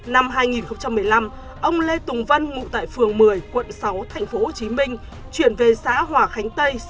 năm hai nghìn một mươi năm ông lê tùng vân ngụ tại phường một mươi quận sáu tp hcm chuyển về xã hòa khánh tây